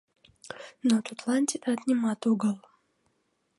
Но тудлан тидат нимат огыл.